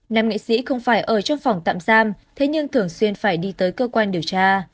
nam nghệ sĩ không phải ở trong phòng tạm giam thế nhưng thường xuyên phải đi tới cơ quan điều tra